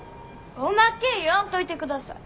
おまけ言わんといてください。